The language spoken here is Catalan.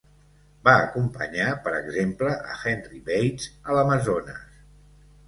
Va acompanyar, per exemple a Henry Bates a l'Amazones.